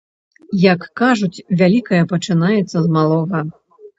Як кажуць, вялікае пачынаецца з малога.